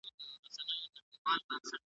زه اوږده وخت سپينکۍ پرېولم وم